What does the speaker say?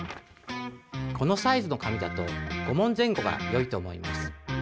このサイズの紙だと５問前後がよいと思います。